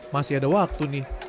masih ada waktu nih